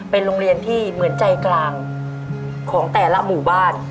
เป็นโรงเรียนที่เหมือนใจกลางของแต่ละหมู่บ้าน